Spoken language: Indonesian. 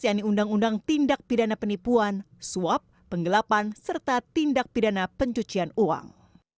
yaitu undang undang tindak pidana penipuan suap penggelapan serta tindak pidana pencucian uang